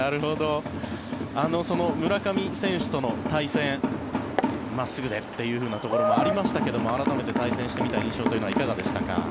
その村上選手との対戦真っすぐでというところもありましたけども改めて対戦してみた印象というのはいかがでしたか？